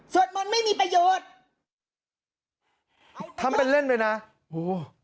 มนต์ไม่มีประโยชน์ทำเป็นเล่นไปนะโห